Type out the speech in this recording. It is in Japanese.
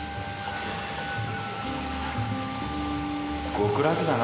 極楽だな。